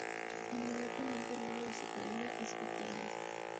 Inmediatamente luego de su caída es capturado.